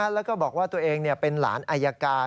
แล้วก็บอกว่าตัวเองเป็นหลานอายการ